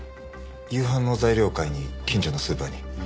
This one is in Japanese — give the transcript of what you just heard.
夕飯の材料を買いに近所のスーパーに。